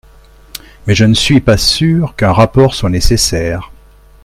Mais je ne suis pas sûr qu’un rapport soit nécessaire.